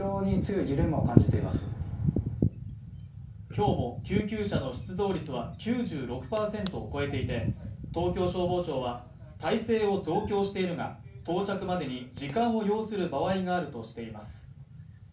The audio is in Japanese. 今日も救急車の出動率は９６％を超えていて東京消防庁は態勢を増強しているが到着までに時間を要する場合があるとしています